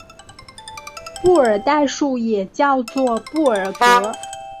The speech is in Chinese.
布尔代数也叫做布尔格。